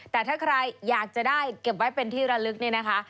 แต่ถ้าใครอยากจะได้เก็บไว้เป็นที่ระลึก